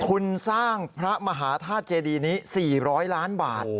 คุณสร้างพระมหาธาตุเจดีนี้๔๐๐ล้านบาท